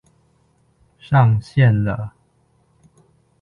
上線了！